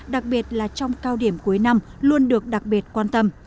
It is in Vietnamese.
đặc biệt là trong cao điểm cuối năm luôn được đặc biệt quan tâm